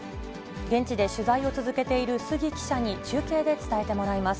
現地で取材を続けている杉記者に中継で伝えてもらいます。